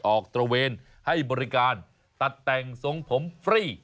ตระเวนให้บริการตัดแต่งทรงผมฟรี